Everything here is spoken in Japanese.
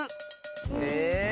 え⁉